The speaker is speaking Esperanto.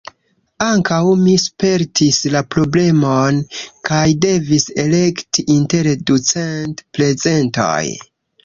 Ankaŭ mi spertis la problemon, kaj devis elekti inter ducent prezentoj.